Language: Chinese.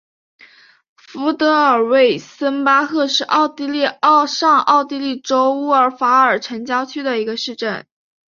福德尔魏森巴赫是奥地利上奥地利州乌尔法尔城郊县的一个市镇。